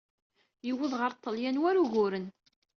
Yewweḍ ɣer Ṭṭalyan war uguren.